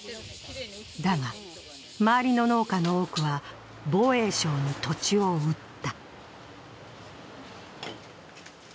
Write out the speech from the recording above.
だが、周りの農家の多くは防衛相に土地を売った。